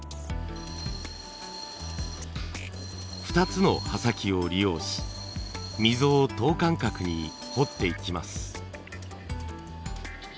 ２つの刃先を利用し溝を等間隔に彫っていきます。